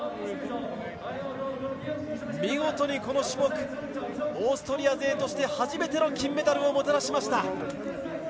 見事にこの種目オーストリア勢として初めての金メダルをもたらしました。